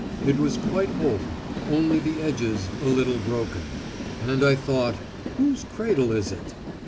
It was quite whole, only the edges a little broken. And I thought whose cradle is it?